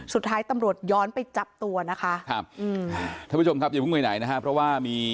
สุดท้ายตำรวจย้อนไปจับตัวนะคะ